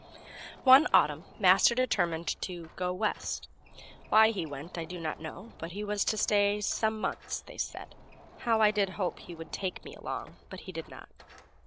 One autumn Master determined to "go West." Why he went I do not know, but he was to stay "some months," they said. How I did hope he would take me along, but he did not.